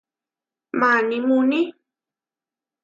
Maní muuní.